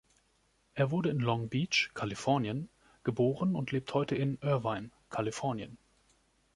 Er wurde in Long Beach, Kalifornien, geboren und lebt heute in Irvine, Kalifornien.